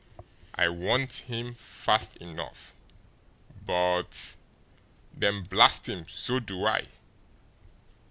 "I want him fast enough, but " "Then, blast him, so do I!"